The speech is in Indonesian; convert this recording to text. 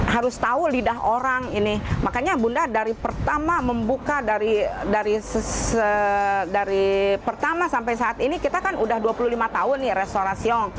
harus tahu lidah orang ini makanya bunda dari pertama membuka dari pertama sampai saat ini kita kan udah dua puluh lima tahun nih restorasi